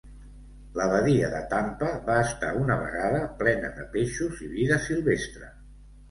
La badia de Tampa va estar una vegada plena de peixos i vida silvestre.